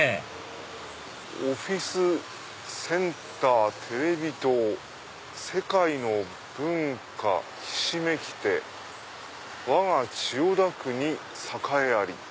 「オフィスセンタアテレビ塔世界の文化ひしめきてわが千代田区に栄あり」。